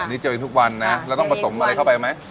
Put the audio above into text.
อันนี้เจียวเองทุกวันนะแล้วต้องผสมอะไรเข้าไปไหม